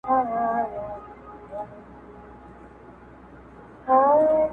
راوړې فریسو یې د تن خاوره له باګرامه,